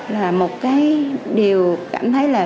là một cái điều cảm thấy là